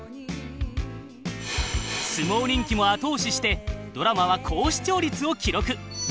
相撲人気も後押ししてドラマは高視聴率を記録。